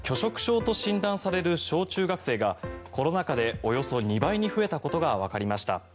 摂食障害の１つ拒食症と診断される小中学生がコロナ禍でおよそ２倍に増えたことがわかりました。